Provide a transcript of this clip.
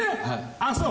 あっそう。